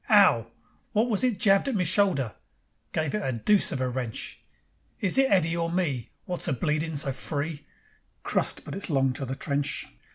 'Ow! Wot was it jabbed at me shoulder? Gave it a dooce of a wrench. Is it Eddy or me Wot's a bleedin' so free? Crust! but it's long to the trench.